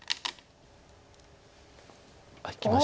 あっいきました。